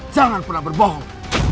jangan pernah berbohong